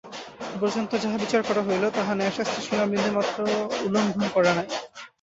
এ পর্যন্ত যাহা বিচার করা হইল, তাহা ন্যায়শাস্ত্রের সীমা বিন্দুমাত্র উল্লঙ্ঘন করে নাই।